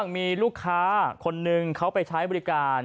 มีลูกค้าคนนึงเขาไปใช้บริการ